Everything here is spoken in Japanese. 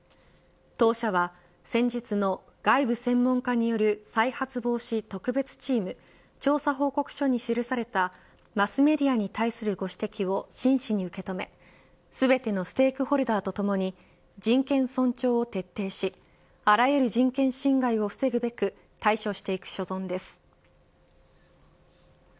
当社は先日の外部専門家による再発防止特別チーム調査報告書に記されたマスメディアに対するご指摘を真摯に受け止め全てのステークホルダーとともに人権尊重を徹底しあらゆる人権侵害を防ぐべく対処していく所存です。